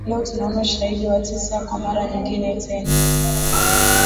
Leo tunaona ushahidi wa tisa kwa mara nyingine tena